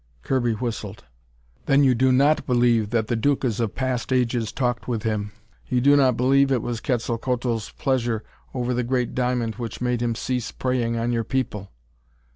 Kirby whistled. "Then you do not believe that the Ducas of past ages talked with him. You do not believe it was Quetzalcoatl's pleasure over the great diamond which made him cease preying on your people?"